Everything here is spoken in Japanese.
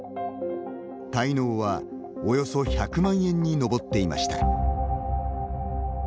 滞納はおよそ１００万円に上っていました。